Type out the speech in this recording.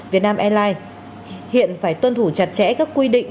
việt nam airlines hiện phải tuân thủ chặt chẽ các quy định